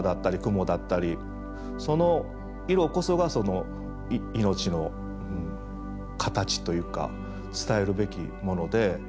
その色こそがその命の形というか伝えるべきもので。